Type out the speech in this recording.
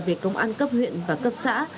về công an cấp huyện và cấp xã